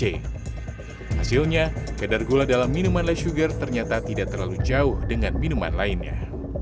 hasilnya kadar gula dalam minuman less sugar ternyata tidak terlalu jauh dengan minuman lainnya